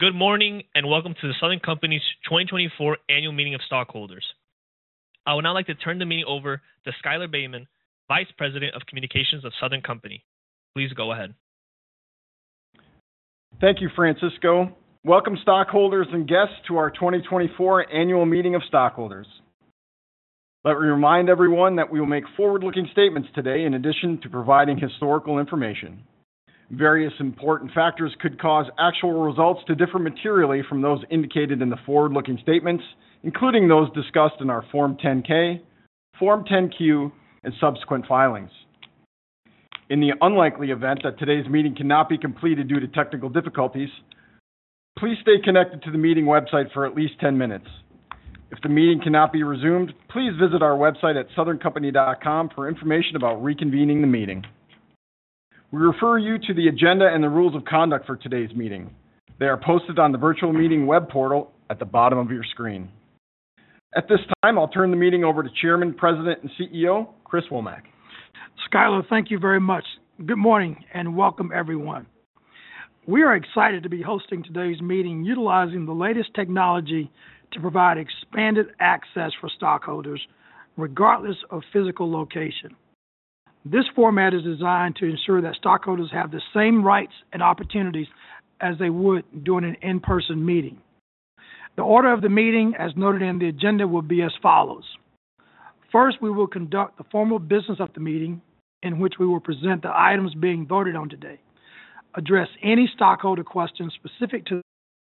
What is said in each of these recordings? Good morning, and welcome to the Southern Company's 2024 Annual Meeting of Stockholders. I would now like to turn the meeting over to Schuyler Baehman, Vice President of Communications of Southern Company. Please go ahead. Thank you, Francisco. Welcome, stockholders and guests, to our 2024 Annual Meeting of Stockholders. Let me remind everyone that we will make forward-looking statements today in addition to providing historical information. Various important factors could cause actual results to differ materially from those indicated in the forward-looking statements, including those discussed in our Form 10-K, Form 10-Q, and subsequent filings. In the unlikely event that today's meeting cannot be completed due to technical difficulties, please stay connected to the meeting website for at least 10 minutes. If the meeting cannot be resumed, please visit our website at southerncompany.com for information about reconvening the meeting. We refer you to the agenda and the rules of conduct for today's meeting. They are posted on the virtual meeting web portal at the bottom of your screen. At this time, I'll turn the meeting over to Chairman, President, and CEO, Chris Womack. Schuyler, thank you very much. Good morning, and welcome everyone. We are excited to be hosting today's meeting, utilizing the latest technology to provide expanded access for stockholders, regardless of physical location. This format is designed to ensure that stockholders have the same rights and opportunities as they would during an in-person meeting. The order of the meeting, as noted in the agenda, will be as follows: first, we will conduct the formal business of the meeting, in which we will present the items being voted on today, address any stockholder questions specific to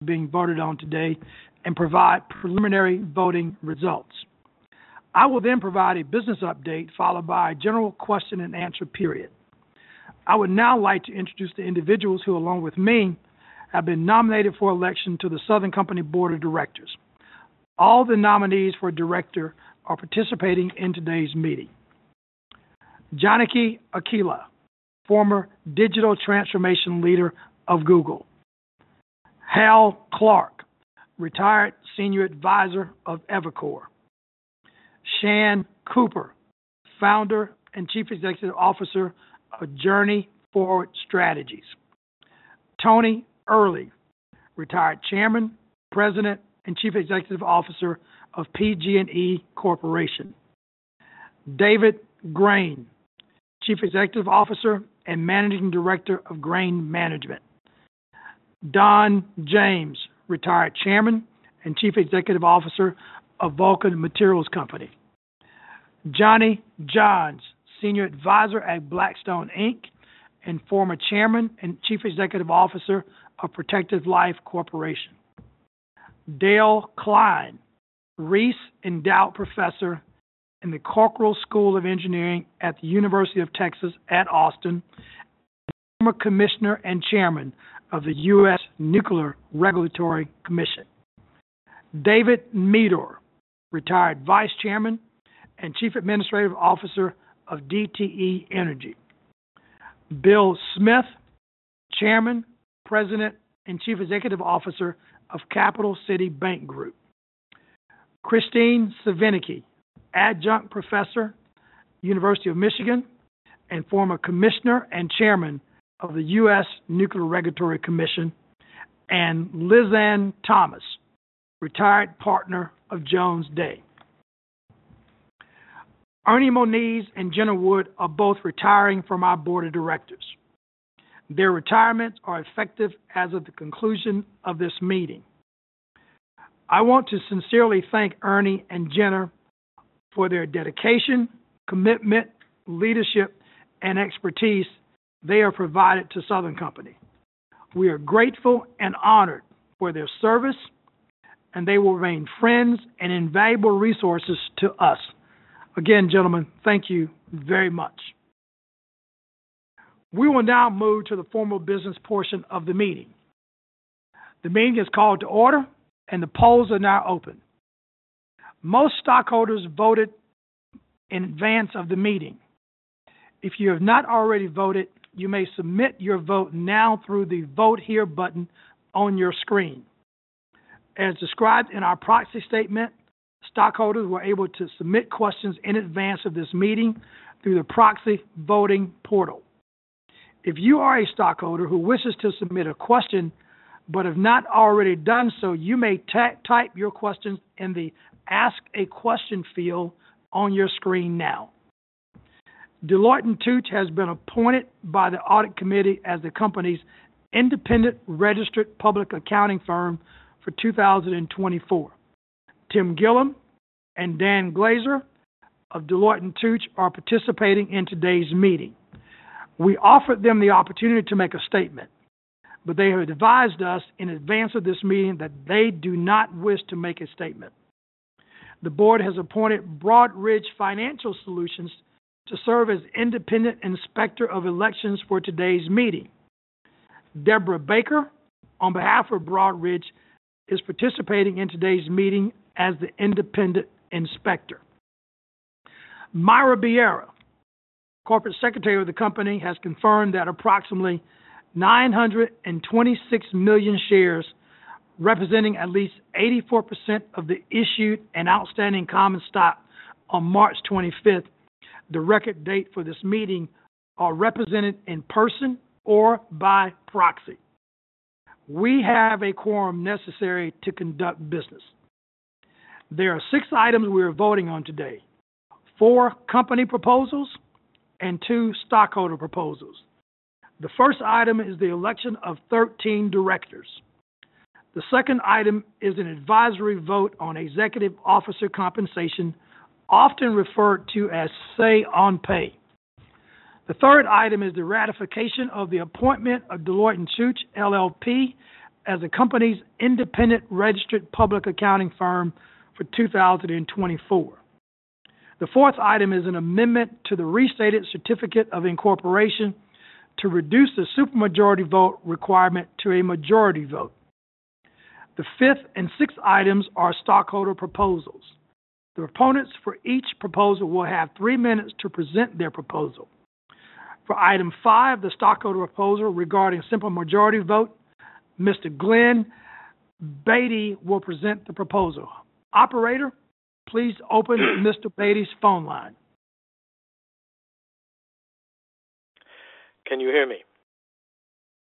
being voted on today, and provide preliminary voting results. I will then provide a business update, followed by a general question-and -answer period. I would now like to introduce the individuals who, along with me, have been nominated for election to the Southern Company Board of Directors. All the nominees for Director are participating in today's meeting. Janaki Akella, former Digital Transformation Leader of Google. Hal Clark, retired Senior Advisor of Evercore. Shan Cooper, Founder and Chief Executive Officer of Journey Forward Strategies. Tony Earley, retired Chairman, President, and Chief Executive Officer of PG&E Corporation. David Grain, Chief Executive Officer and Managing Director of Grain Management. Don James, retired Chairman and Chief Executive Officer of Vulcan Materials Company. Johnny Johns, Senior Advisor at Blackstone Inc, and former Chairman and Chief Executive Officer of Protective Life Corporation. Dale Klein, Reese Endowed Professor in the Cockrell School of Engineering at the University of Texas at Austin, and former Commissioner and Chairman of the U.S. Nuclear Regulatory Commission. David Meador, retired Vice Chairman and Chief Administrative Officer of DTE Energy. Bill Smith, Chairman, President, and Chief Executive Officer of Capital City Bank Group. Kristine Svinicki, Adjunct Professor, University of Michigan, and former Commissioner and Chairman of the U.S. Nuclear Regulatory Commission. And Lizanne Thomas, retired Partner of Jones Day. Ernest Moniz and Jenner Wood are both retiring from our Board of Directors. Their retirements are effective as of the conclusion of this meeting. I want to sincerely thank Ernest and Jenner for their dedication, commitment, leadership, and expertise they have provided to Southern Company. We are grateful and honored for their service, and they will remain friends and invaluable resources to us. Again, gentlemen, thank you very much. We will now move to the formal business portion of the meeting. The meeting is called to order, and the polls are now open. Most stockholders voted in advance of the meeting. If you have not already voted, you may submit your vote now through the Vote Here button on your screen. As described in our proxy statement, stockholders were able to submit questions in advance of this meeting through the proxy voting portal. If you are a stockholder who wishes to submit a question but have not already done so, you may type your question in the Ask a Question field on your screen now. Deloitte & Touche has been appointed by the Audit Committee as the company's independent registered public accounting firm for 2024. Tim Gillam and Dan Glaser of Deloitte & Touche are participating in today's meeting. We offered them the opportunity to make a statement, but they have advised us in advance of this meeting that they do not wish to make a statement. The board has appointed Broadridge Financial Solutions to serve as independent Inspector of Elections for today's meeting. Deborah Baker, on behalf of Broadridge, is participating in today's meeting as the independent inspector. Myra Bierria, Corporate Secretary of the company, has confirmed that approximately 926 million shares, representing at least 84% of the issued and outstanding common stock on March 25, the record date for this meeting, are represented in person or by proxy. We have a quorum necessary to conduct business. There are six items we are voting on today: four company proposals and two stockholder proposals. The first item is the election of 13 directors. The second item is an advisory vote on executive officer compensation, often referred to as say on pay. The third item is the ratification of the appointment of Deloitte & Touche LLP as the company's independent registered public accounting firm for 2024. The fourth item is an amendment to the restated certificate of incorporation to reduce the supermajority vote requirement to a majority vote. The fifth and sixth items are stockholder proposals. The proponents for each proposal will have three minutes to present their proposal. For item five, the stockholder proposal regarding simple majority vote, Mr. Glenn Beatty will present the proposal. Operator, please open Mr. Beatty's phone line. Can you hear me?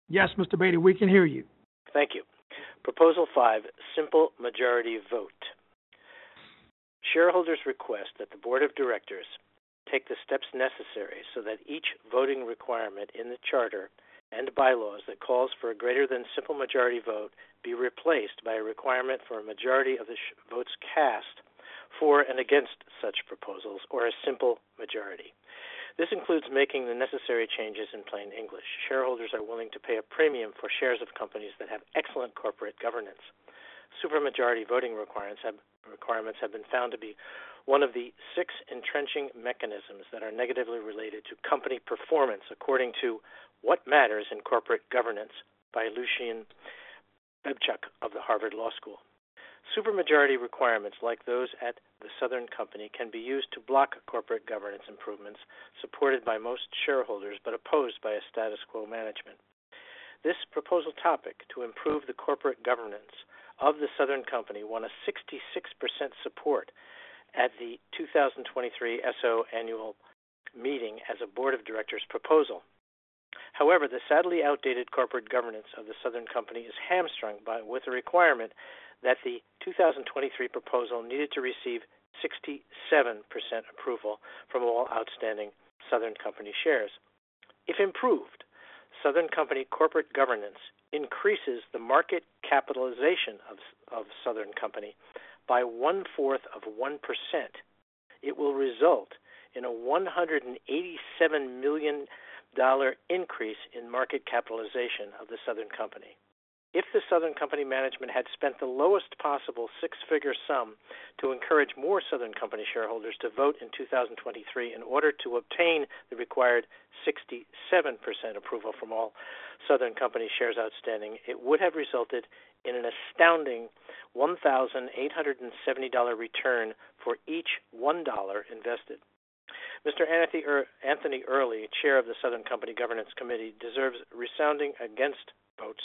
Yes, Mr. Beatty, we can hear you. Thank you. Proposal 5, Simple Majority Vote. Shareholders request that the Board of Directors take the steps necessary so that each voting requirement in the charter and bylaws that calls for a greater than simple majority vote be replaced by a requirement for a majority of the votes cast for and against such proposals or a simple majority. This includes making the necessary changes in plain English. Shareholders are willing to pay a premium for shares of companies that have excellent corporate governance. Super majority voting requirements have been found to be one of the six entrenching mechanisms that are negatively related to company performance, according to What Matters in Corporate Governance by Lucian Bebchuk of the Harvard Law School. Super majority requirements, like those at The Southern Company, can be used to block corporate governance improvements supported by most shareholders, but opposed by a status quo management. This proposal topic to improve the corporate governance of The Southern Company, won 66% support at the 2023 SO annual meeting as a Board of Directors proposal. However, the sadly outdated corporate governance of The Southern Company is hamstrung by, with the requirement that the 2023 proposal needed to receive 67% approval from all outstanding Southern Company shares. If improved, Southern Company corporate governance increases the market capitalization of, of Southern Company by 0.25%, it will result in a $187 million increase in market capitalization of The Southern Company. If [The Southern Company] management had spent the lowest possible six-figure sum to encourage more Southern Company shareholders to vote in 2023 in order to obtain the required 67% approval from all Southern Company shares outstanding, it would have resulted in an astounding $1,870 return for each $1 invested. Mr. Anthony Earley, Chair of the Southern Company Governance Committee, deserves resounding against votes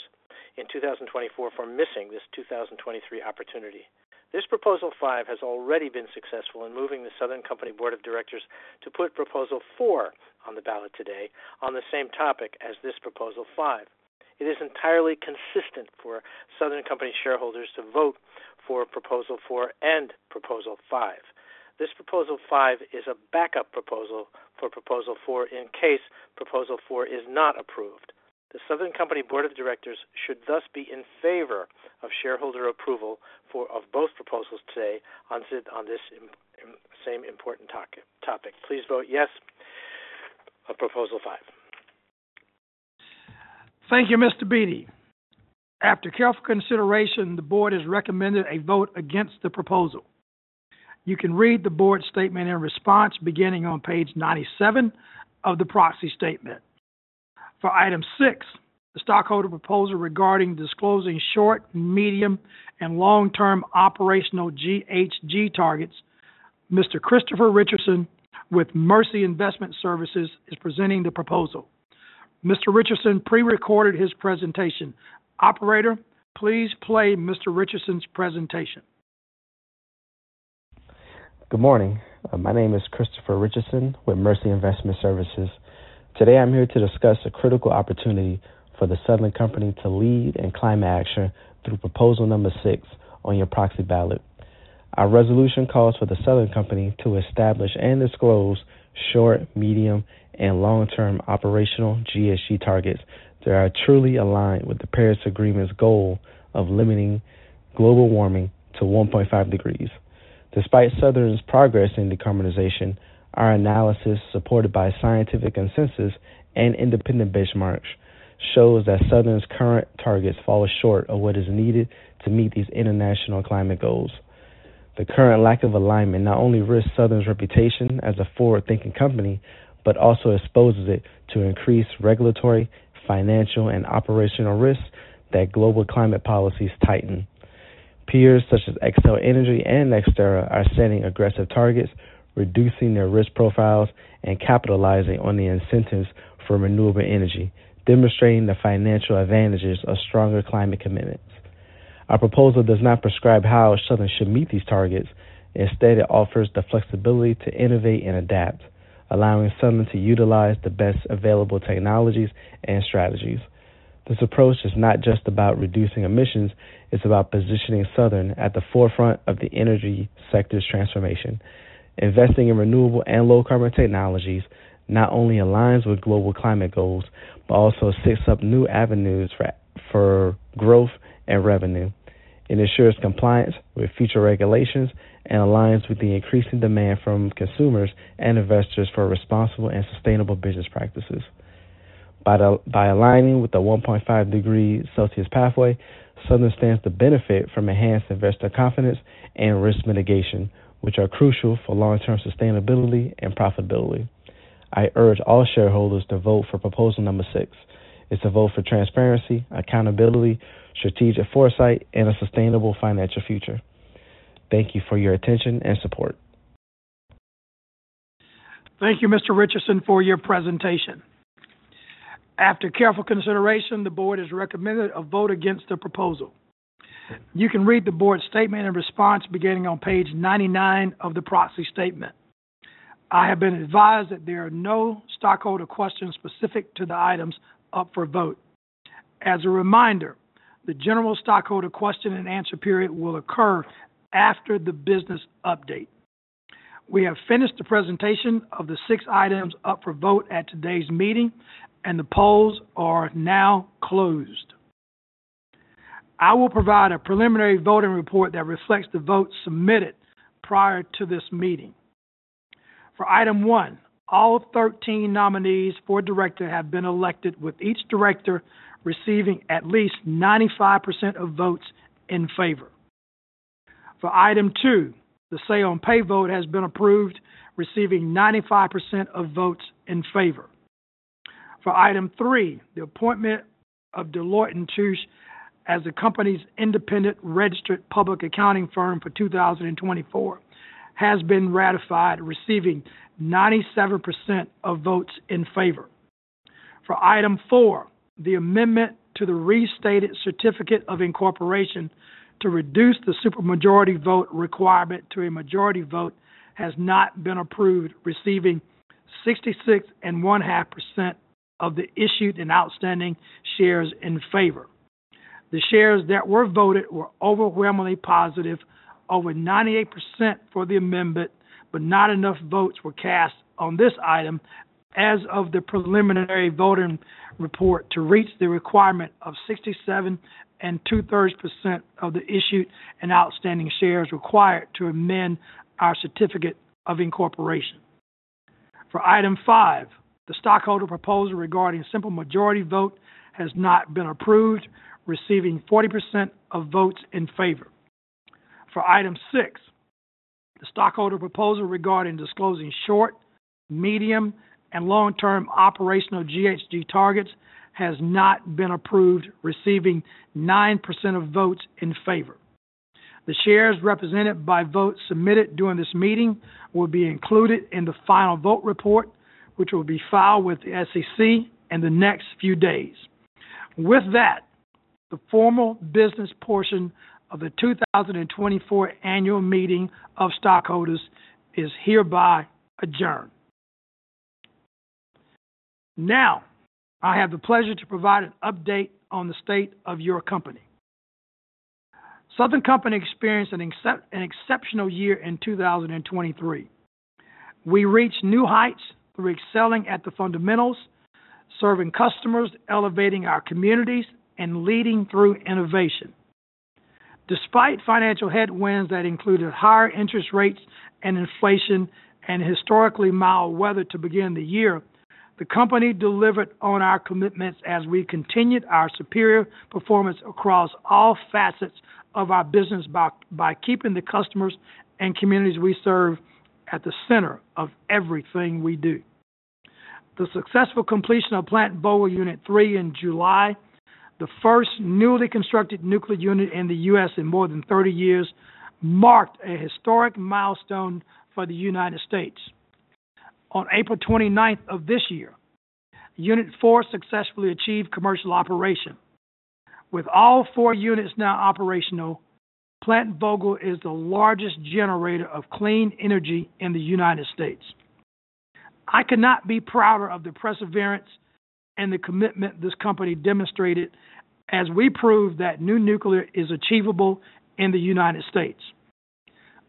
in 2024 for missing this 2023 opportunity. This Proposal 5 has already been successful in moving The Southern Company Board of Directors to put Proposal 4 on the ballot today on the same topic as this Proposal 5. It is entirely consistent for Southern Company shareholders to vote for Proposal 4 and Proposal 5. This Proposal 5 is a backup proposal for Proposal 4 in case Proposal 4 is not approved. The Southern Company Board of Directors should thus be in favor of shareholder approval for both proposals today on this same important topic. Please vote yes on Proposal 5. Thank you, Mr. Beatty. After careful consideration, the board has recommended a vote against the proposal. You can read the board statement and response beginning on page 97 of the proxy statement. For item six, the stockholder proposal regarding disclosing short, medium, and long-term operational GHG targets, Mr. Christopher Richardson with Mercy Investment Services, is presenting the proposal. Mr. Richardson pre-recorded his presentation. Operator, please play Mr. Richardson's presentation. Good morning. My name is Christopher Richardson with Mercy Investment Services. Today, I'm here to discuss a critical opportunity for The Southern Company to lead in climate action through proposal number 6 on your proxy ballot. Our resolution calls for The Southern Company to establish and disclose short, medium, and long-term operational GHG targets that are truly aligned with the Paris Agreement's goal of limiting global warming to 1.5 degrees. Despite Southern's progress in decarbonization, our analysis, supported by scientific consensus and independent benchmarks, shows that Southern's current targets fall short of what is needed to meet these international climate goals. The current lack of alignment not only risks Southern's reputation as a forward-thinking company, but also exposes it to increased regulatory, financial, and operational risks that global climate policies tighten. Peers such as Xcel Energy and NextEra are setting aggressive targets, reducing their risk profiles, and capitalizing on the incentives for renewable energy, demonstrating the financial advantages of stronger climate commitments. Our proposal does not prescribe how Southern should meet these targets. Instead, it offers the flexibility to innovate and adapt, allowing Southern to utilize the best available technologies and strategies. This approach is not just about reducing emissions, it's about positioning Southern at the forefront of the energy sector's transformation. Investing in renewable and low carbon technologies not only aligns with global climate goals, but also sets up new avenues for growth and revenue. It ensures compliance with future regulations and aligns with the increasing demand from consumers and investors for responsible and sustainable business practices. By aligning with the 1.5 degrees Celsius pathway, Southern stands to benefit from enhanced investor confidence and risk mitigation, which are crucial for long-term sustainability and profitability. I urge all shareholders to vote for proposal number 6. It's a vote for transparency, accountability, strategic foresight, and a sustainable financial future. Thank you for your attention and support. Thank you, Mr. Richardson, for your presentation. After careful consideration, the board has recommended a vote against the proposal. You can read the board's statement and response beginning on page 99 of the proxy statement. I have been advised that there are no stockholder questions specific to the items up for vote. As a reminder, the general stockholder question-and-answer period will occur after the business update. We have finished the presentation of the six items up for vote at today's meeting, and the polls are now closed. I will provide a preliminary voting report that reflects the votes submitted prior to this meeting. For item one, all 13 nominees for Director have been elected, with each Director receiving at least 95% of votes in favor. For item two, the say on pay vote has been approved, receiving 95% of votes in favor. For item three, the appointment of Deloitte & Touche as the company's independent registered public accounting firm for 2024 has been ratified, receiving 97% of votes in favor. For item four, the amendment to the restated certificate of incorporation to reduce the supermajority vote requirement to a majority vote has not been approved, receiving 66.5% of the issued and outstanding shares in favor. The shares that were voted were overwhelmingly positive, over 98% for the amendment, but not enough votes were cast on this item as of the preliminary voting report to reach the requirement of 67% of the issued and outstanding shares required to amend our certificate of incorporation. For item five, the stockholder proposal regarding simple majority vote has not been approved, receiving 40% of votes in favor. For item six, the stockholder proposal regarding disclosing short, medium, and long-term operational GHG targets has not been approved, receiving 9% of votes in favor. The shares represented by votes submitted during this meeting will be included in the final vote report, which will be filed with the SEC in the next few days. With that, the formal business portion of the 2024 Annual Meeting of Stockholders is hereby adjourned. Now, I have the pleasure to provide an update on the state of your company. Southern Company experienced an exceptional year in 2023. We reached new heights through excelling at the fundamentals, serving customers, elevating our communities, and leading through innovation. Despite financial headwinds that included higher interest rates and inflation and historically mild weather to begin the year, the company delivered on our commitments as we continued our superior performance across all facets of our business by keeping the customers and communities we serve at the center of everything we do. The successful completion of Plant Vogtle Unit 3 in July, the first newly constructed nuclear unit in the U.S. in more than 30 years, marked a historic milestone for the United States. On April 29th of this year, Unit 4 successfully achieved commercial operation. With all four units now operational, Plant Vogtle is the largest generator of clean energy in the United States. I could not be prouder of the perseverance and the commitment this company demonstrated as we proved that new nuclear is achievable in the United States.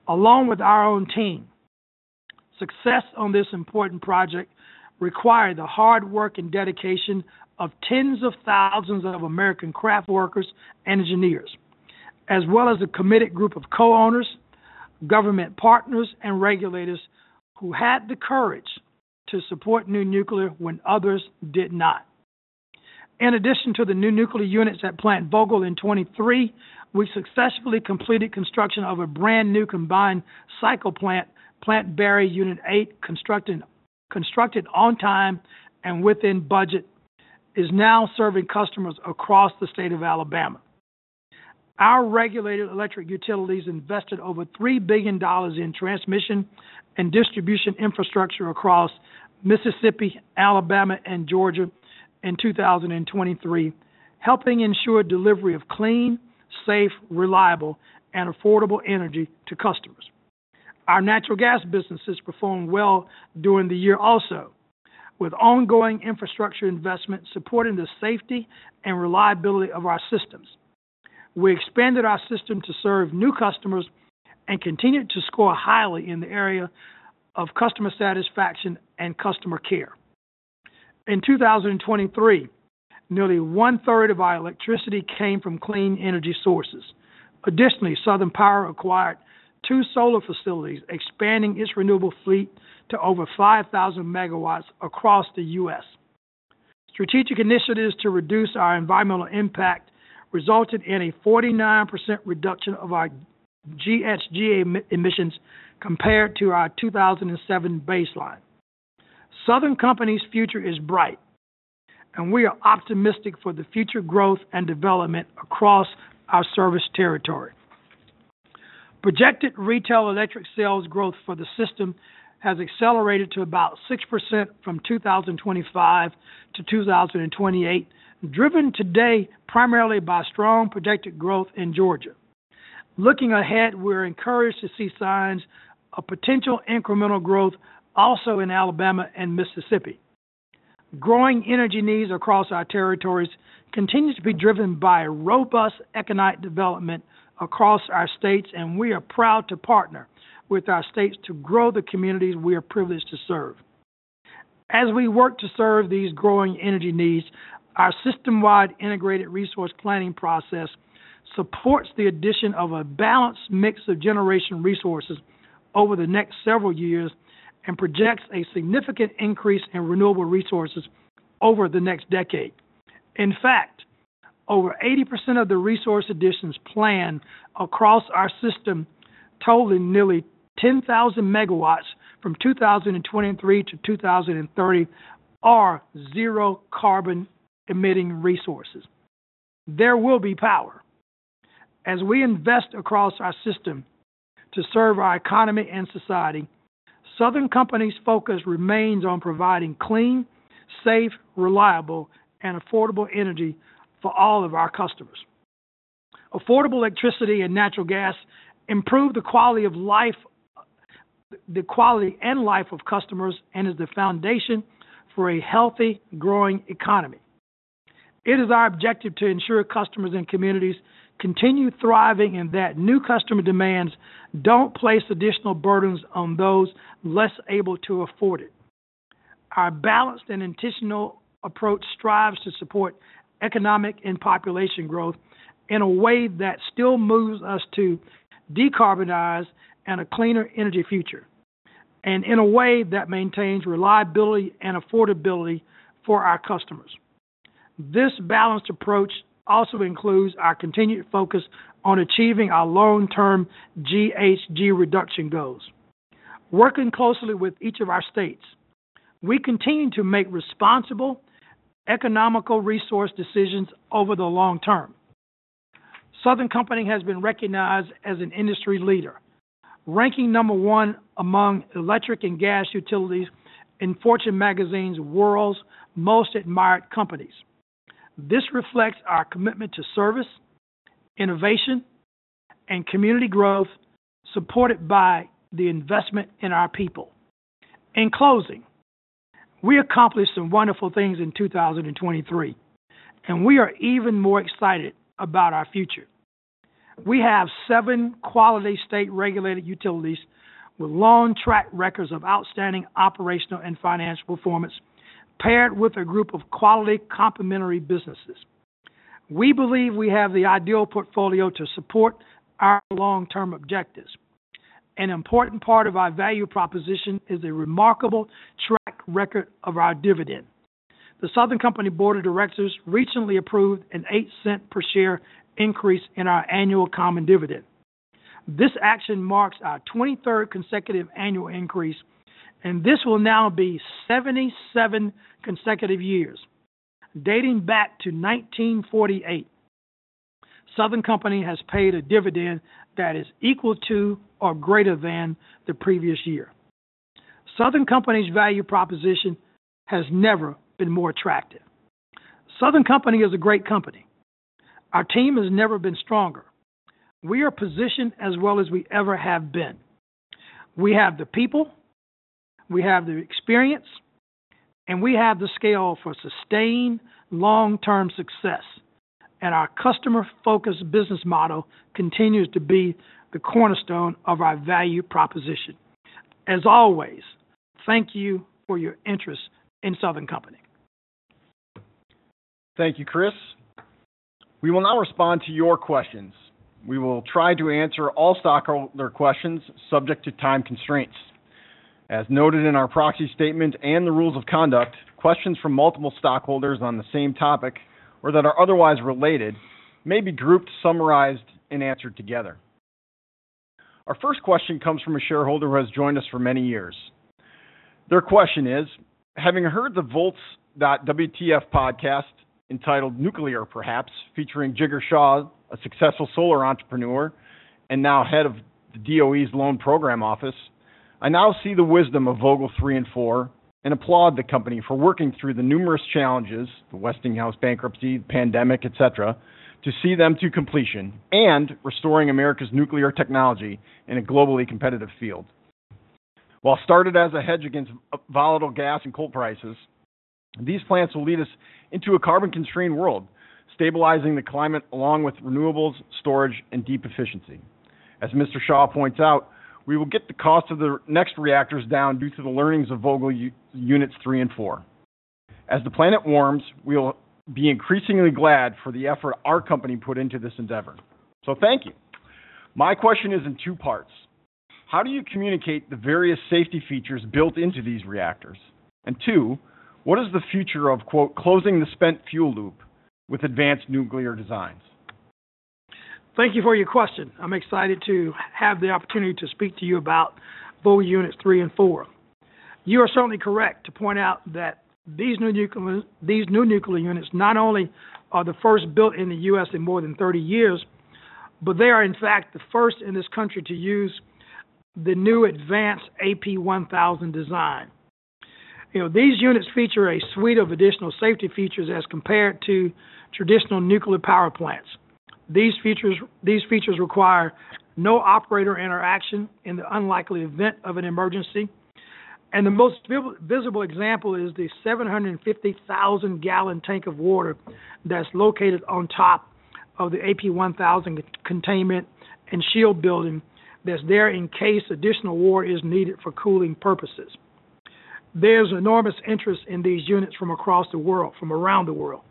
Along with our own team, success on this important project required the hard work and dedication of tens of thousands of American craft workers and engineers, as well as a committed group of co-owners, government partners, and regulators who had the courage to support new nuclear when others did not. In addition to the new nuclear units at Plant Vogtle in 2023, we successfully completed construction of a brand new combined cycle plant, Plant Barry Unit 8, constructed on time and within budget, is now serving customers across the state of Alabama. Our regulated electric utilities invested over $3 billion in transmission and distribution infrastructure across Mississippi, Alabama, and Georgia in 2023, helping ensure delivery of clean, safe, reliable, and affordable energy to customers. Our natural gas businesses performed well during the year also, with ongoing infrastructure investment supporting the safety and reliability of our systems. We expanded our system to serve new customers and continued to score highly in the area of customer satisfaction and customer care. In 2023, nearly 1/3 of our electricity came from clean energy sources. Additionally, Southern Power acquired two solar facilities, expanding its renewable fleet to over 5,000 MW across the U.S. Strategic initiatives to reduce our environmental impact resulted in a 49% reduction of our GHG emissions compared to our 2007 baseline. Southern Company's future is bright, and we are optimistic for the future growth and development across our service territory. Projected retail electric sales growth for the system has accelerated to about 6% from 2025 to 2028, driven today primarily by strong projected growth in Georgia. Looking ahead, we're encouraged to see signs of potential incremental growth also in Alabama and Mississippi. Growing energy needs across our territories continues to be driven by robust economic development across our states, and we are proud to partner with our states to grow the communities we are privileged to serve. As we work to serve these growing energy needs, our system-wide integrated resource planning process supports the addition of a balanced mix of generation resources over the next several years and projects a significant increase in renewable resources over the next decade. In fact, over 80% of the resource additions planned across our system, totaling nearly 10,000 MW from 2023-2030, are zero carbon-emitting resources. There will be power. As we invest across our system to serve our economy and society, Southern Company's focus remains on providing clean, safe, reliable, and affordable energy for all of our customers. Affordable electricity and natural gas improve the quality of life, the quality and life of customers, and is the foundation for a healthy, growing economy. It is our objective to ensure customers and communities continue thriving, and that new customer demands don't place additional burdens on those less able to afford it. Our balanced and intentional approach strives to support economic and population growth in a way that still moves us to decarbonize and a cleaner energy future, and in a way that maintains reliability and affordability for our customers. This balanced approach also includes our continued focus on achieving our long-term GHG reduction goals. Working closely with each of our states, we continue to make responsible, economical resource decisions over the long term. Southern Company has been recognized as an industry leader, ranking number one among electric and gas utilities in Fortune magazine's World's Most Admired Companies. This reflects our commitment to service, innovation, and community growth, supported by the investment in our people. In closing, we accomplished some wonderful things in 2023, and we are even more excited about our future. We have seven quality state-regulated utilities with long track records of outstanding operational and financial performance, paired with a group of quality complementary businesses. We believe we have the ideal portfolio to support our long-term objectives. An important part of our value proposition is a remarkable track record of our dividend. The Southern Company Board of Directors recently approved an $0.08 per share increase in our annual common dividend. This action marks our 23rd consecutive annual increase, and this will now be 77 consecutive years. Dating back to 1948, Southern Company has paid a dividend that is equal to or greater than the previous year. Southern Company's value proposition has never been more attractive. Southern Company is a great company. Our team has never been stronger. We are positioned as well as we ever have been. We have the people, we have the experience, and we have the scale for sustained long-term success, and our customer-focused business model continues to be the cornerstone of our value proposition. As always, thank you for your interest in Southern Company. Thank you, Chris. We will now respond to your questions. We will try to answer all stockholder questions subject to time constraints. As noted in our proxy statement and the rules of conduct, questions from multiple stockholders on the same topic or that are otherwise related, may be grouped, summarized, and answered together. Our first question comes from a shareholder who has joined us for many years. Their question is: Having heard the Volts.wtf podcast,... entitled Nuclear? Perhaps! featuring Jigar Shah, a successful solar entrepreneur, and now head of the DOE's Loan Programs Office. I now see the wisdom of Vogtle 3 and 4, and applaud the company for working through the numerous challenges, the Westinghouse bankruptcy, pandemic, et cetera, to see them to completion and restoring America's nuclear technology in a globally competitive field. What started as a hedge against volatile gas and coal prices, these plants will lead us into a carbon-constrained world, stabilizing the climate along with renewables, storage, and deep efficiency. As Mr. Shah points out, we will get the cost of the next reactors down due to the learnings of Vogtle Units 3 and 4. As the planet warms, we'll be increasingly glad for the effort our company put into this endeavor. So thank you. My question is in two parts: How do you communicate the various safety features built into these reactors? And two, what is the future of, quote, "closing the spent fuel loop with advanced nuclear designs? Thank you for your question. I'm excited to have the opportunity to speak to you about Vogtle Unit 3 and 4. You are certainly correct to point out that these new nuclear units not only are the first built in the U.S. in more than 30 years, but they are, in fact, the first in this country to use the new advanced AP1000 design. You know, these units feature a suite of additional safety features as compared to traditional nuclear power plants. These features require no operator interaction in the unlikely event of an emergency, and the most visible example is the 750,000-gallon tank of water that's located on top of the AP1000 containment and shield building, that's there in case additional water is needed for cooling purposes. There's enormous interest in these units from across the world, from around the world.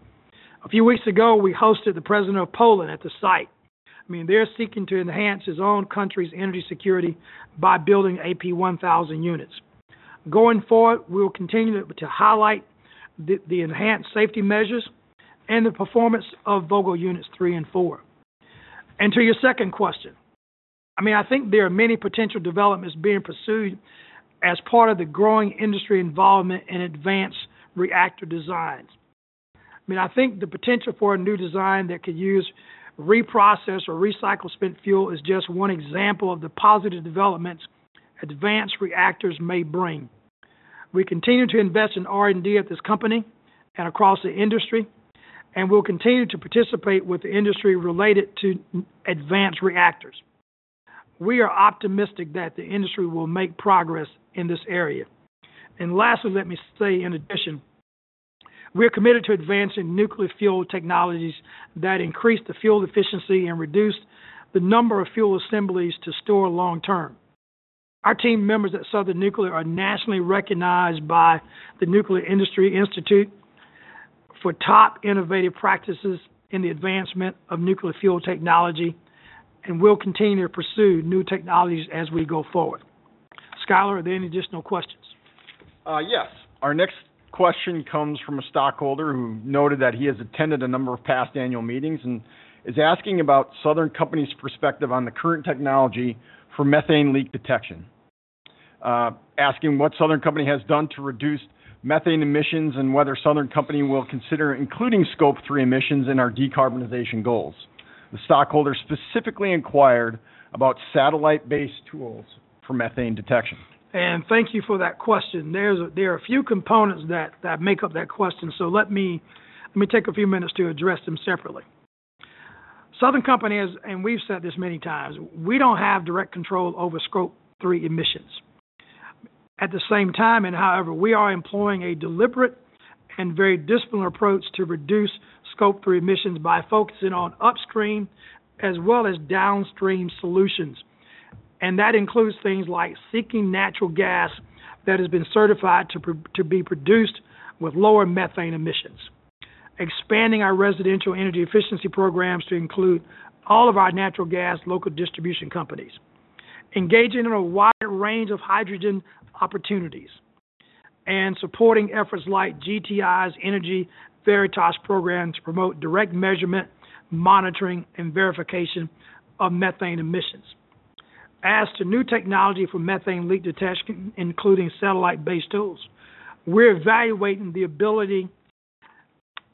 A few weeks ago, we hosted the President of Poland at the site. I mean, they're seeking to enhance his own country's energy security by building AP1000 units. Going forward, we'll continue to highlight the, the enhanced safety measures and the performance of Vogtle Units 3 and 4. To your second question, I mean, I think there are many potential developments being pursued as part of the growing industry involvement in advanced reactor designs. I mean, I think the potential for a new design that could use reprocess or recycled spent fuel is just one example of the positive developments advanced reactors may bring. We continue to invest in R&D at this company and across the industry, and we'll continue to participate with the industry related to advanced reactors. We are optimistic that the industry will make progress in this area. And lastly, let me say, in addition, we're committed to advancing nuclear fuel technologies that increase the fuel efficiency and reduce the number of fuel assemblies to store long-term. Our team members at Southern Nuclear are nationally recognized by the Nuclear Energy Institute for top innovative practices in the advancement of nuclear fuel technology, and we'll continue to pursue new technologies as we go forward. Schuyler, are there any additional questions? Yes. Our next question comes from a stockholder who noted that he has attended a number of past annual meetings and is asking about Southern Company's perspective on the current technology for methane leak detection. Asking what Southern Company has done to reduce methane emissions and whether Southern Company will consider including Scope 3 emissions in our decarbonization goals. The stockholder specifically inquired about satellite-based tools for methane detection. Thank you for that question. There are a few components that make up that question, so let me take a few minutes to address them separately. Southern Company has, and we've said this many times, we don't have direct control over Scope 3 emissions. At the same time, and however, we are employing a deliberate and very disciplined approach to reduce Scope 3 emissions by focusing on upstream as well as downstream solutions. And that includes things like seeking natural gas that has been certified to be produced with lower methane emissions, expanding our residential energy efficiency programs to include all of our natural gas local distribution companies, engaging in a wide range of hydrogen opportunities, and supporting efforts like GTI Energy's Veritas program to promote direct measurement, monitoring, and verification of methane emissions. As to new technology for methane leak detection, including satellite-based tools, we're evaluating the ability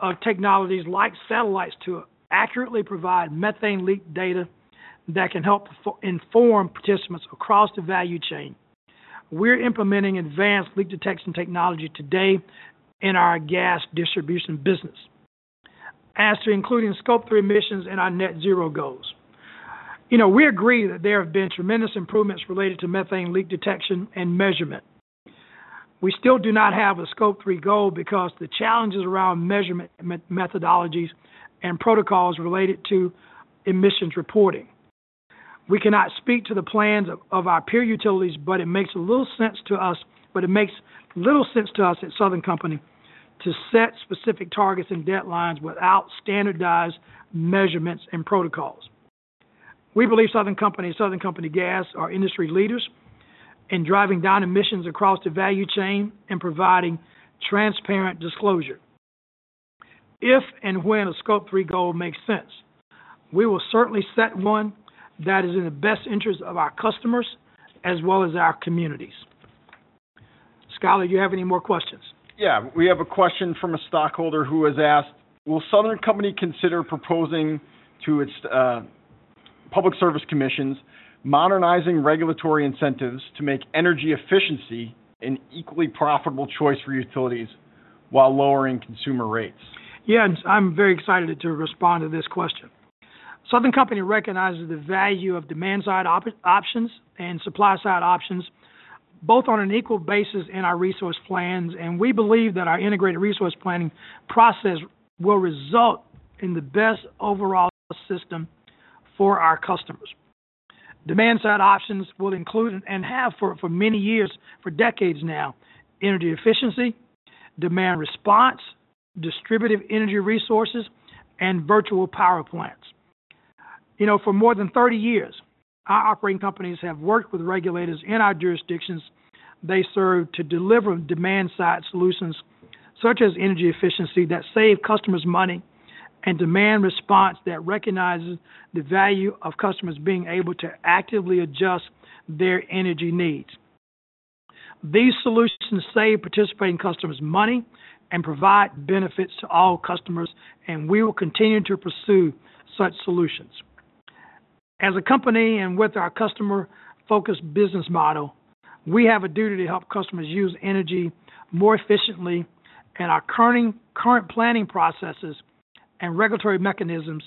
of technologies like satellites to accurately provide methane leak data that can help inform participants across the value chain. We're implementing advanced leak detection technology today in our gas distribution business. As to including Scope 3 emissions in our net zero goals, you know, we agree that there have been tremendous improvements related to methane leak detection and measurement. We still do not have a Scope 3 goal because of the challenges around measurement, methodologies, and protocols related to emissions reporting. We cannot speak to the plans of our peer utilities, but it makes little sense to us at Southern Company to set specific targets and deadlines without standardized measurements and protocols. We believe Southern Company and Southern Company Gas are industry leaders in driving down emissions across the value chain and providing transparent disclosure. If and when a Scope 3 goal makes sense, we will certainly set one that is in the best interest of our customers as well as our communities. Schuyler, do you have any more questions? Yeah, we have a question from a stockholder who has asked: Will Southern Company consider proposing to its public service commissions, modernizing regulatory incentives to make energy efficiency an equally profitable choice for utilities while lowering consumer rates? Yeah, and I'm very excited to respond to this question. Southern Company recognizes the value of demand-side options and supply-side options, both on an equal basis in our resource plans, and we believe that our integrated resource planning process will result in the best overall system for our customers. Demand-side options will include, and have for many years, for decades now, energy efficiency, demand response, distributed energy resources, and virtual power plants. You know, for more than 30 years, our operating companies have worked with regulators in our jurisdictions. They serve to deliver demand-side solutions, such as energy efficiency, that save customers money, and demand response that recognizes the value of customers being able to actively adjust their energy needs. These solutions save participating customers money and provide benefits to all customers, and we will continue to pursue such solutions. As a company, and with our customer-focused business model, we have a duty to help customers use energy more efficiently, and our current planning processes and regulatory mechanisms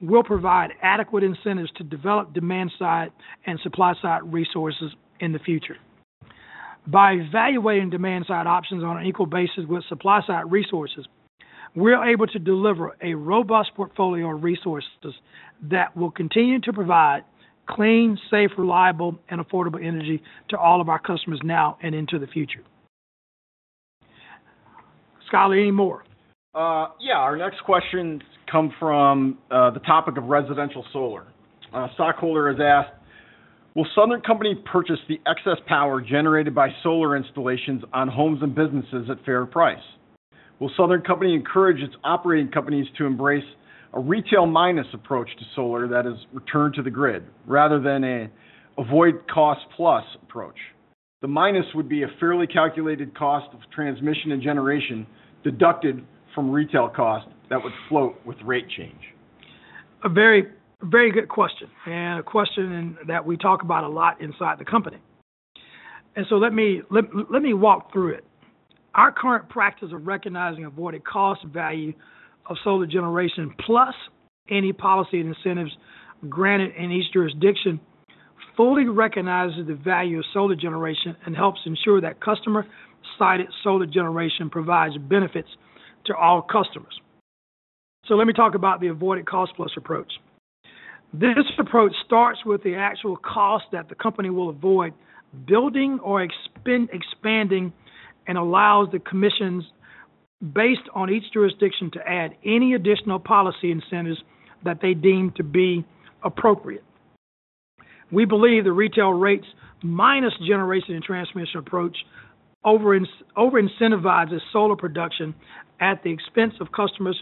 will provide adequate incentives to develop demand-side and supply-side resources in the future. By evaluating demand-side options on an equal basis with supply-side resources, we're able to deliver a robust portfolio of resources that will continue to provide clean, safe, reliable, and affordable energy to all of our customers now and into the future. Schuyler, any more? Yeah. Our next question come from the topic of residential solar. A stockholder has asked: Will Southern Company purchase the excess power generated by solar installations on homes and businesses at fair price? Will Southern Company encourage its operating companies to embrace a retail minus approach to solar that is returned to the grid rather than an avoided cost plus approach? The minus would be a fairly calculated cost of transmission and generation deducted from retail cost that would float with rate change. A very, very good question, and a question that we talk about a lot inside the company. Let me walk through it. Our current practice of recognizing avoided cost value of solar generation, plus any policy and incentives granted in each jurisdiction, fully recognizes the value of solar generation and helps ensure that customer-sited solar generation provides benefits to all customers. Let me talk about the avoided cost plus approach. This approach starts with the actual cost that the company will avoid building or expanding, and allows the commissions, based on each jurisdiction, to add any additional policy incentives that they deem to be appropriate. We believe the retail rates, minus generation and transmission approach, over-incentivizes solar production at the expense of customers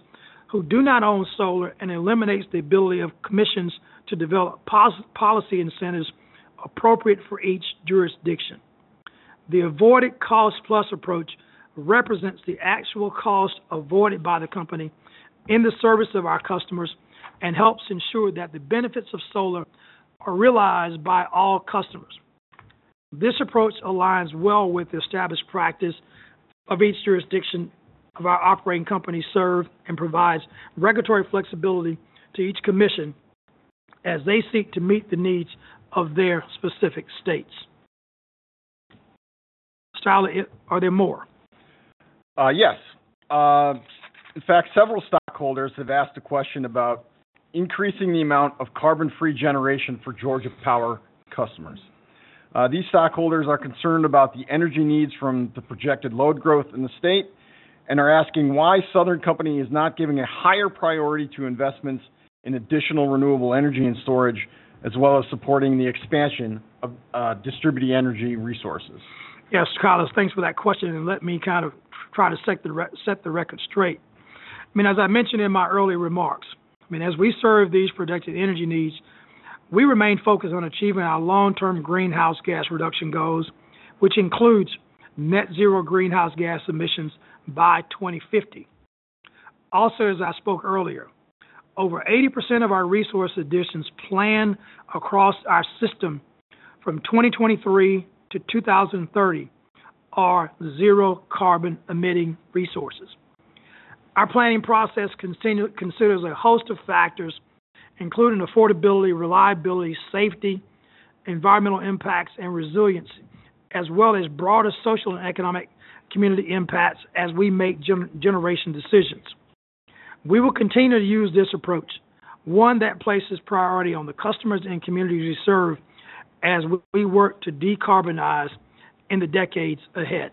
who do not own solar, and eliminates the ability of commissions to develop policy incentives appropriate for each jurisdiction. The avoided cost plus approach represents the actual cost avoided by the company in the service of our customers, and helps ensure that the benefits of solar are realized by all customers. This approach aligns well with the established practice of each jurisdiction of our operating company serve, and provides regulatory flexibility to each commission as they seek to meet the needs of their specific states. Schuyler, are there more? Yes. In fact, several stockholders have asked a question about increasing the amount of carbon-free generation for Georgia Power customers. These stockholders are concerned about the energy needs from the projected load growth in the state, and are asking why Southern Company is not giving a higher priority to investments in additional renewable energy and storage, as well as supporting the expansion of distributing energy resources. Yes, Schuyler, thanks for that question, and let me kind of try to set the record straight. I mean, as I mentioned in my earlier remarks, I mean, as we serve these projected energy needs, we remain focused on achieving our long-term greenhouse gas reduction goals, which includes net zero greenhouse gas emissions by 2050. Also, as I spoke earlier, over 80% of our resource additions planned across our system from 2023-2030 are zero carbon-emitting resources. Our planning process considers a host of factors, including affordability, reliability, safety, environmental impacts, and resiliency, as well as broader social and economic community impacts as we make generation decisions. We will continue to use this approach, one that places priority on the customers and communities we serve as we work to decarbonize in the decades ahead.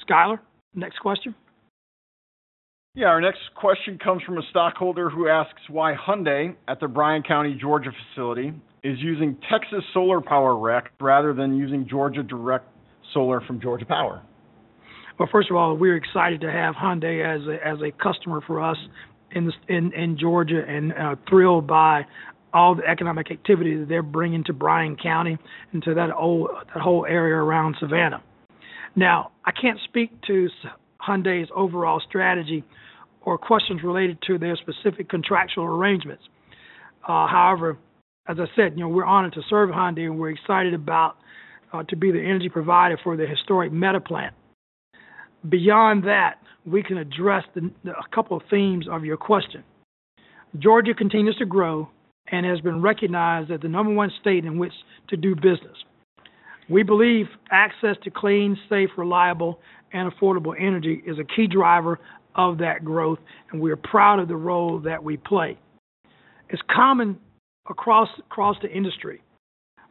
Schuyler, next question. Yeah, our next question comes from a stockholder who asks why Hyundai, at the Bryan County, Georgia, facility, is using Texas solar power REC rather than using Georgia Direct Solar from Georgia Power? Well, first of all, we're excited to have Hyundai as a customer for us in Georgia, and thrilled by all the economic activity that they're bringing to Bryan County and to that whole area around Savannah. Now, I can't speak to Hyundai's overall strategy or questions related to their specific contractual arrangements. However, as I said, you know, we're honored to serve Hyundai, and we're excited about to be the energy provider for the historic Metaplant. Beyond that, we can address a couple of themes of your question. Georgia continues to grow and has been recognized as the number one state in which to do business. We believe access to clean, safe, reliable, and affordable energy is a key driver of that growth, and we are proud of the role that we play. It's common across the industry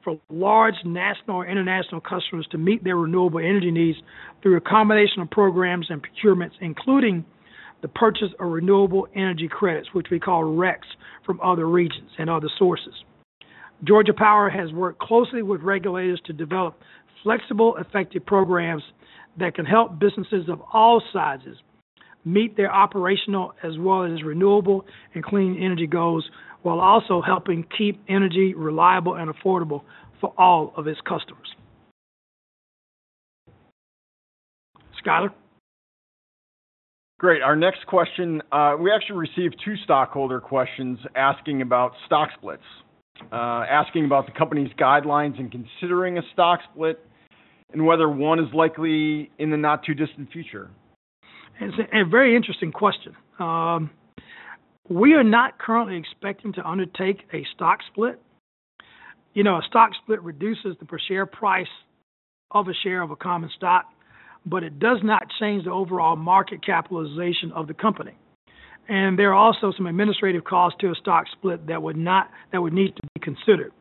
for large national or international customers to meet their renewable energy needs through a combination of programs and procurements, including the purchase of renewable energy credits, which we call RECs, from other regions and other sources. Georgia Power has worked closely with regulators to develop flexible, effective programs that can help businesses of all sizes meet their operational as well as renewable and clean energy goals, while also helping keep energy reliable and affordable for all of its customers. Schuyler? Great. Our next question, we actually received two stockholder questions asking about stock splits. Asking about the company's guidelines in considering a stock split and whether one is likely in the not-too-distant future. It's a very interesting question. We are not currently expecting to undertake a stock split. You know, a stock split reduces the per share price of a share of a common stock, but it does not change the overall market capitalization of the company. There are also some administrative costs to a stock split that would need to be considered.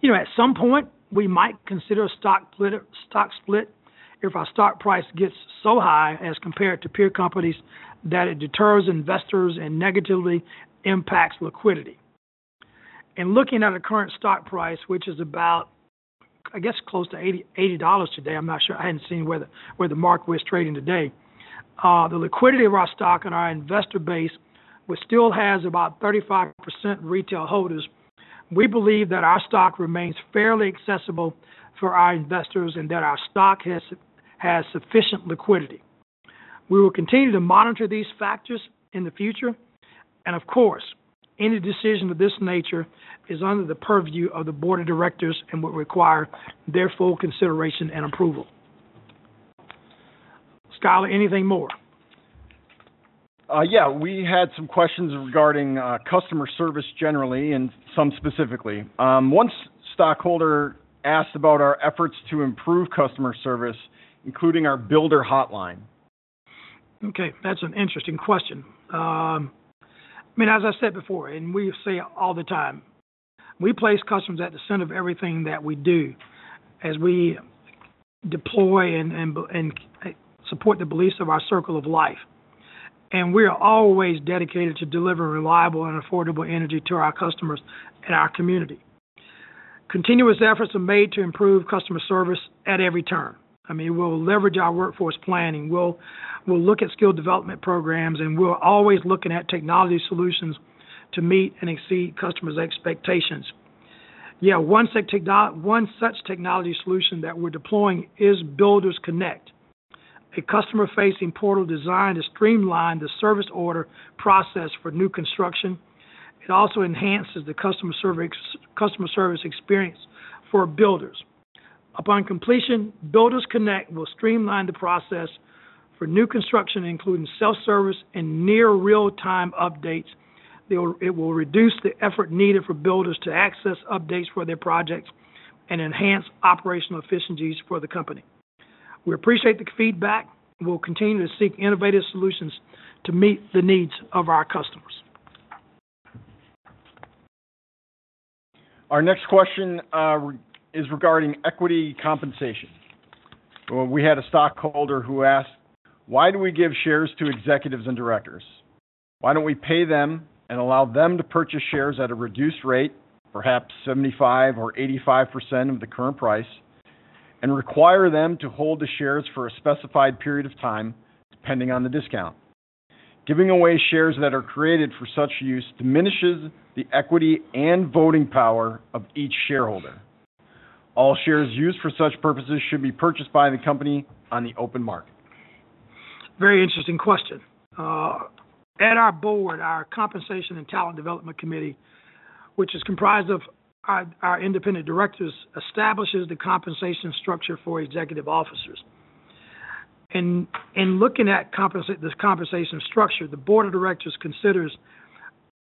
You know, at some point, we might consider a stock split if our stock price gets so high as compared to peer companies, that it deters investors and negatively impacts liquidity. In looking at our current stock price, which is about, I guess, close to $80 today, I'm not sure. I hadn't seen where the market was trading today. The liquidity of our stock and our investor base, which still has about 35% retail holders, we believe that our stock remains fairly accessible for our investors and that our stock has sufficient liquidity. We will continue to monitor these factors in the future, and of course, any decision of this nature is under the purview of the Board of Directors and would require their full consideration and approval. Schuyler, anything more? Yeah, we had some questions regarding customer service generally and some specifically. One stockholder asked about our efforts to improve customer service, including our builder hotline. Okay, that's an interesting question. I mean, as I said before, and we say it all the time, we place customers at the center of everything that we do as we deploy and support the beliefs of our circle of life. We are always dedicated to delivering reliable and affordable energy to our customers and our community. Continuous efforts are made to improve customer service at every turn. I mean, we'll leverage our workforce planning. We'll look at skill development programs, and we're always looking at technology solutions to meet and exceed customers' expectations. One such technology solution that we're deploying is Builders Connect, a customer-facing portal designed to streamline the service order process for new construction. It also enhances the customer service experience for builders. Upon completion, Builders Connect will streamline the process for new construction, including self-service and near real-time updates. It will reduce the effort needed for builders to access updates for their projects and enhance operational efficiencies for the company. We appreciate the feedback, and we'll continue to seek innovative solutions to meet the needs of our customers. Our next question is regarding equity compensation. Well, we had a stockholder who asked: Why do we give shares to executives and directors? Why don't we pay them and allow them to purchase shares at a reduced rate, perhaps 75% or 85% of the current price, and require them to hold the shares for a specified period of time, depending on the discount? Giving away shares that are created for such use diminishes the equity and voting power of each shareholder. All shares used for such purposes should be purchased by the company on the open market. Very interesting question. At our board, our Compensation and Talent Development Committee, which is comprised of our independent directors, establishes the compensation structure for executive officers. In looking at this compensation structure, the Board of Directors considers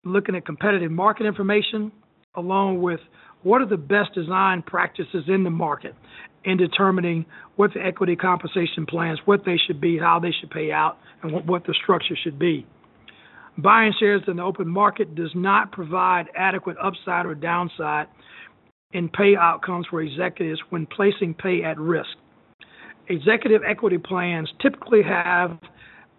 looking at competitive market information, along with what are the best design practices in the market, in determining what the equity compensation plans, what they should be, how they should pay out, and what the structure should be. Buying shares in the open market does not provide adequate upside or downside in pay outcomes for executives when placing pay at risk. Executive equity plans typically have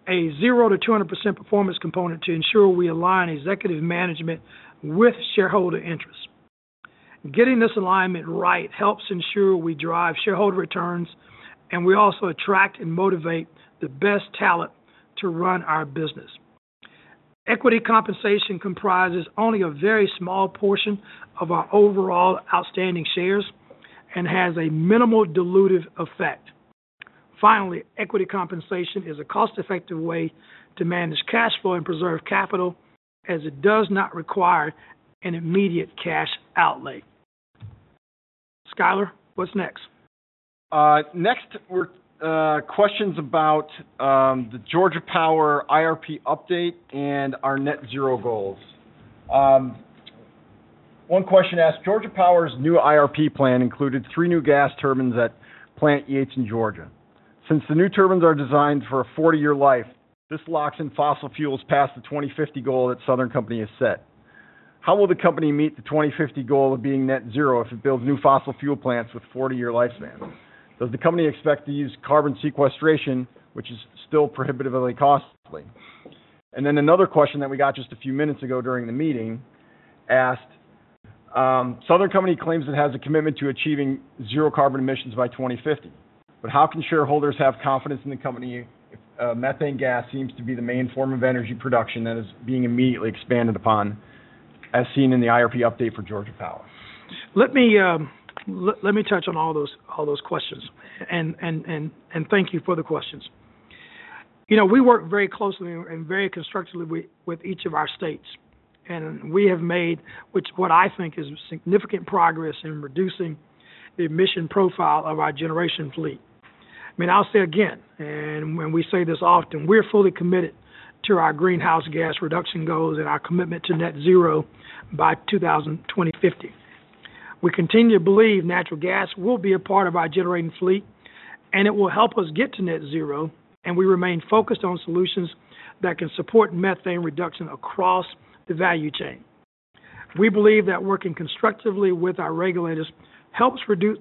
a 0%-200% performance component to ensure we align executive management with shareholder interests. Getting this alignment right helps ensure we drive shareholder returns, and we also attract and motivate the best talent to run our business. Equity compensation comprises only a very small portion of our overall outstanding shares and has a minimal dilutive effect. Finally, equity compensation is a cost-effective way to manage cash flow and preserve capital, as it does not require an immediate cash outlay. Schuyler, what's next? Next, we're questions about the Georgia Power IRP update and our net zero goals. One question asked: Georgia Power's new IRP plan included three new gas turbines at Plant Yates in Georgia. Since the new turbines are designed for a 40-year life, this locks in fossil fuels past the 2050 goal that Southern Company has set. How will the company meet the 2050 goal of being net zero if it builds new fossil fuel plants with 40-year lifespans? Does the company expect to use carbon sequestration, which is still prohibitively costly? Then another question that we got just a few minutes ago during the meeting asked: Southern Company claims it has a commitment to achieving zero carbon emissions by 2050, but how can shareholders have confidence in the company if methane gas seems to be the main form of energy production that is being immediately expanded upon, as seen in the IRP update for Georgia Power? Let me touch on all those questions. And thank you for the questions. You know, we work very closely and very constructively with each of our states, and we have made what I think is significant progress in reducing the emission profile of our generation fleet. I mean, I'll say again, and when we say this often, we're fully committed to our greenhouse gas reduction goals and our commitment to net zero by 2050. We continue to believe natural gas will be a part of our generating fleet, and it will help us get to net zero, and we remain focused on solutions that can support methane reduction across the value chain. We believe that working constructively with our regulators helps reduce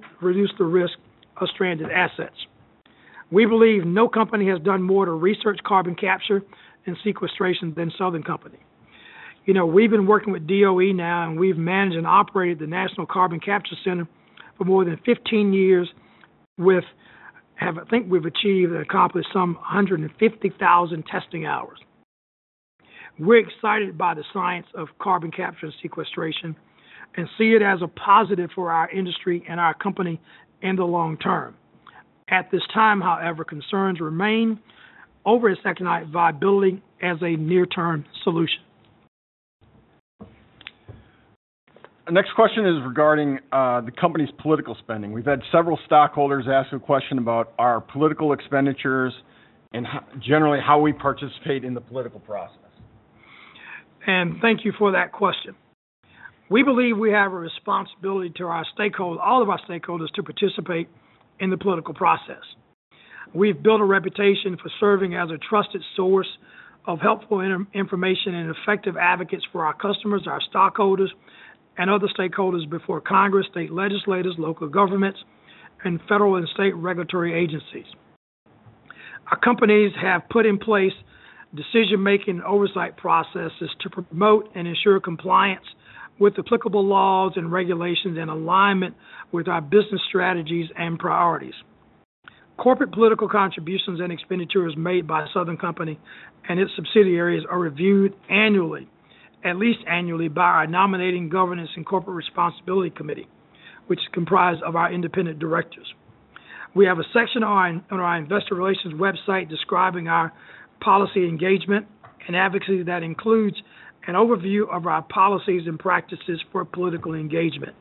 the risk of stranded assets. We believe no company has done more to research carbon capture and sequestration than Southern Company. You know, we've been working with DOE now, and we've managed and operated the National Carbon Capture Center for more than 15 years, we have, I think, achieved and accomplished some 150,000 testing hours. We're excited by the science of carbon capture and sequestration and see it as a positive for our industry and our company in the long-term. At this time, however, concerns remain over its economic viability as a near-term solution. The next question is regarding the company's political spending. We've had several stockholders ask a question about our political expenditures and how generally, how we participate in the political process. Thank you for that question. We believe we have a responsibility to our stakeholder, all of our stakeholders, to participate in the political process. We've built a reputation for serving as a trusted source of helpful information and effective advocates for our customers, our stockholders, and other stakeholders before Congress, state legislators, local governments, and federal and state regulatory agencies. Our companies have put in place decision-making and oversight processes to promote and ensure compliance with applicable laws and regulations in alignment with our business strategies and priorities. Corporate political contributions and expenditures made by Southern Company and its subsidiaries are reviewed annually, at least annually, by our Nominating, Governance, and Corporate Responsibility Committee, which is comprised of our independent directors. We have a section on our investor relations website describing our policy engagement and advocacy that includes an overview of our policies and practices for political engagement.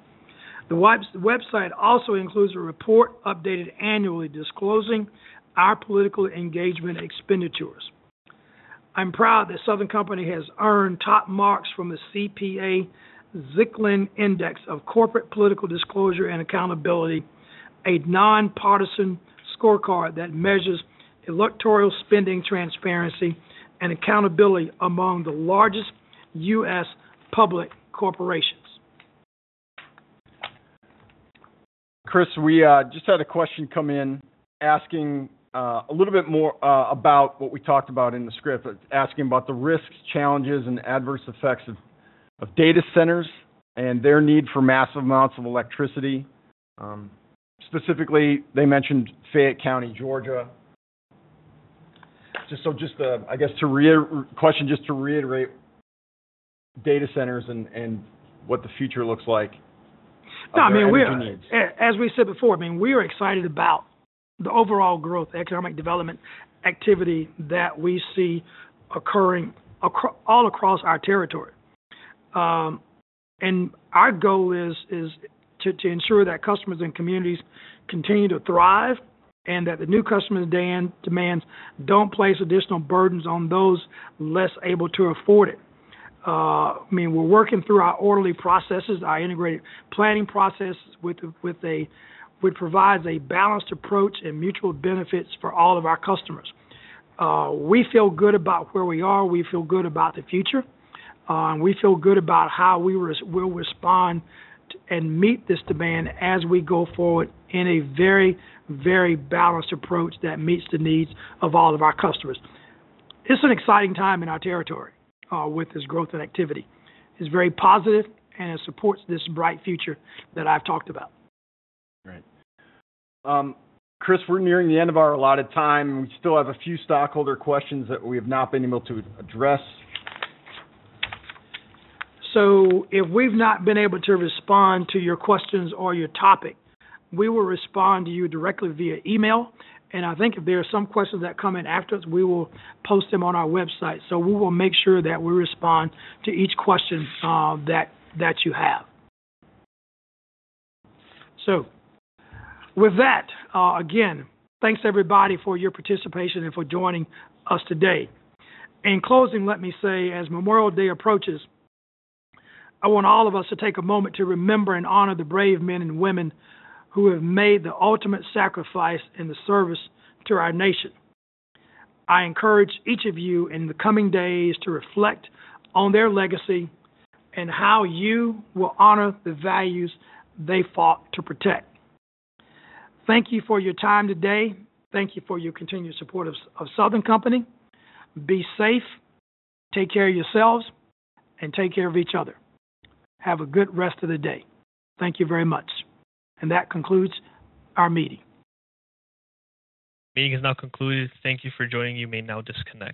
The website also includes a report updated annually, disclosing our political engagement expenditures. I'm proud that Southern Company has earned top marks from the CPA-Zicklin Index of Corporate Political Disclosure and Accountability, a nonpartisan scorecard that measures electoral spending, transparency, and accountability among the largest U.S. public corporations. Chris, we just had a question come in asking a little bit more about what we talked about in the script. Asking about the risks, challenges, and adverse effects of data centers and their need for massive amounts of electricity. Specifically, they mentioned Fayette County, Georgia. Just so, just, I guess, just to reiterate data centers and what the future looks like and their energy needs. No, I mean, we are, as we said before, I mean, we are excited about the overall growth, economic development activity that we see occurring all across our territory. And our goal is to ensure that customers and communities continue to thrive, and that the new customers and demands don't place additional burdens on those less able to afford it. I mean, we're working through our orderly processes, our integrated planning processes, which provides a balanced approach and mutual benefits for all of our customers. We feel good about where we are, we feel good about the future, and we feel good about how we'll respond to and meet this demand as we go forward in a very, very balanced approach that meets the needs of all of our customers. It's an exciting time in our territory, with this growth and activity. It's very positive, and it supports this bright future that I've talked about. Great. Chris, we're nearing the end of our allotted time. We still have a few stockholder questions that we have not been able to address. So if we've not been able to respond to your questions or your topic, we will respond to you directly via email. And I think if there are some questions that come in after us, we will post them on our website. So we will make sure that we respond to each question that you have. So with that, again, thanks, everybody, for your participation and for joining us today. In closing, let me say, as Memorial Day approaches, I want all of us to take a moment to remember and honor the brave men and women who have made the ultimate sacrifice in the service to our nation. I encourage each of you in the coming days to reflect on their legacy and how you will honor the values they fought to protect. Thank you for your time today. Thank you for your continued support of Southern Company. Be safe, take care of yourselves, and take care of each other. Have a good rest of the day. Thank you very much. That concludes our meeting. Meeting is now concluded. Thank you for joining. You may now disconnect.